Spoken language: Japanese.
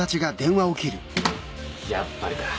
やっぱりだ。